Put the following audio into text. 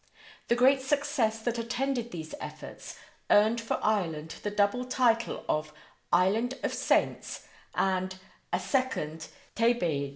The great success that attended these efforts earned for Ireland the double title of Island of Saints and a Second Thebaid.